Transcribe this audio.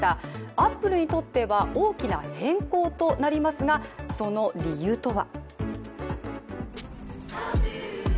アップルにとっては大きな変更となりますがその理由とは。